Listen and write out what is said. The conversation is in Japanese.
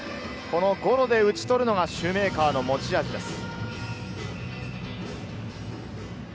このゴロで打ち取るのがシューメーカーの持ち味です。